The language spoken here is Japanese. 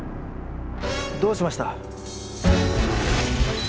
どうしました？